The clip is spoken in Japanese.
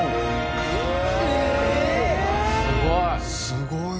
すごい！